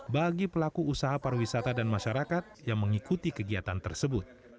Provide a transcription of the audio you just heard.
bagi pelaku usaha pariwisata dan masyarakat yang mengikuti kegiatan tersebut